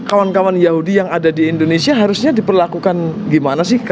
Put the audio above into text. kawan kawan yahudi yang ada di indonesia harusnya diperlakukan gimana sih